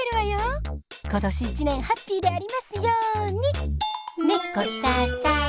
今年一年ハッピーでありますように。